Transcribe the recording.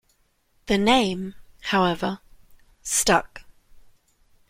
The name, however, stuck.